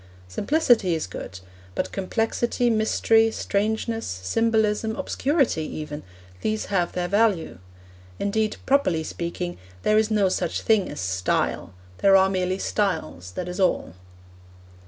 Simplicity is good, but complexity, mystery, strangeness, symbolism, obscurity even, these have their value. Indeed, properly speaking, there is no such thing as Style; there are merely styles, that is all.